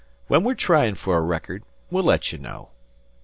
When we're tryin' for a record, we'll let you know."